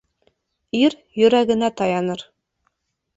Ир йөрәгенә таяныр.